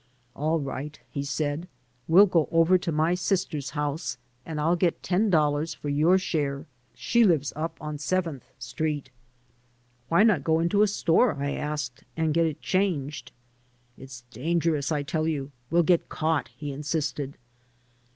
"All right," he said. "We'll go over to my sister's house and I'll get ten dollars for your share. ' She lives up on Seventh Street." "Why not go into a store," I asked, "and get it changed?" "It's danger ous, I tell you; we'll get caught," he insisted.